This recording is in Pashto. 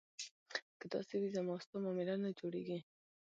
که داسې وي زما او ستا معامله نه جوړېږي.